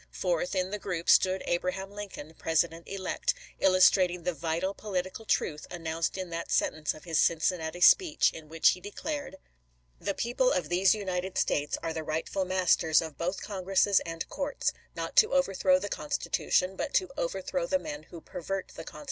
Fourth in the group stood Abra ham Lincoln, President elect, illustrating the vital political truth announced in that sentence of his Cincinnati speech in which he declared :" The peo ple of these United States are the rightful masters of both Congresses and courts, not to overthrow the Constitution, but to overthrow the men who pervert the Constitution."